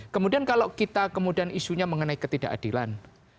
kemudian kalau kita kemudian isunya mengenai ketidakadilan